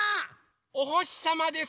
おほしさまです。